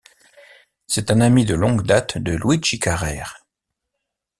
C'est un ami de longue date de Luigi Carrer.